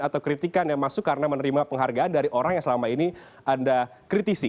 atau kritikan yang masuk karena menerima penghargaan dari orang yang selama ini anda kritisi